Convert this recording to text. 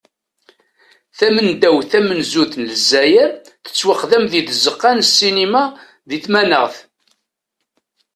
Tamendawt tamenzut n Lezzayer tettwaxdem di tzeqqa n sinima di tmanaɣt.